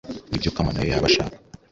Nibyo Kamanayo yaba ashaka?